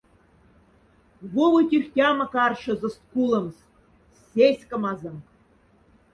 Вов и тюрьхтяма каршезост куломс, сяськомозонк.